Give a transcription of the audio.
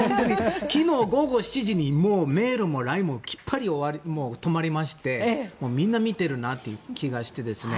昨日午後７時にメールもＬＩＮＥもきっぱり止まりましてみんな見てるなって気がしてですね。